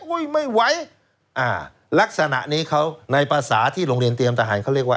ไม่ไหวอ่าลักษณะนี้เขาในภาษาที่โรงเรียนเตรียมทหารเขาเรียกว่า